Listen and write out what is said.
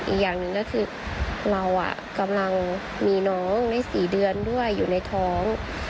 อีกอย่างหนึ่งก็คือเรากำลังมีน้องได้๔เดือนด้วยอยู่ในท้อง